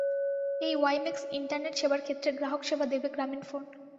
এই WiMAX internet সেবার ক্ষেত্রে গ্রাহকসেবা দেবে গ্রামীণফোন।